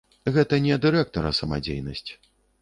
Гэта не дырэктара самадзейнасць.